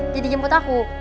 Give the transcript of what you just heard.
jadi jemput aku